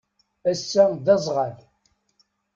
Ass-a d azɣal.